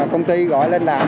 công ty gọi lên đạm